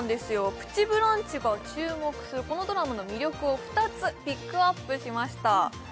「プチブランチ」が注目するこのドラマの魅力を２つピックアップしました